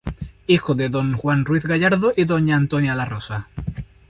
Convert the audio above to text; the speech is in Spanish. Hijo de Don Juan Ruiz Gallardo y de Doña Antonia La Rosa.